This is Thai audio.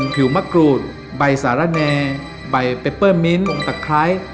ผิวมะกรูดใบสารเนใบเปเปอร์มิ้นองค์ตะไคร้